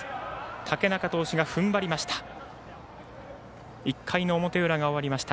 竹中投手が踏ん張りました。